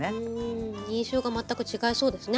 印象が全く違いそうですね